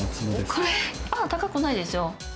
これ高くないですよ。